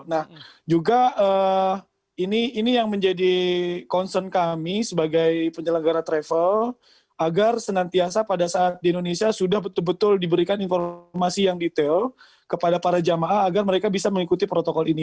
nah juga ini yang menjadi concern kami sebagai penyelenggara travel agar senantiasa pada saat di indonesia sudah betul betul diberikan informasi yang detail kepada para jamaah agar mereka bisa mengikuti protokol ini